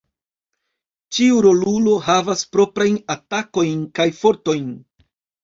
Ĉiu rolulo havas proprajn atakojn kaj fortojn.